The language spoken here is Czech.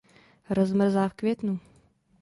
Rozmrzá v květnu.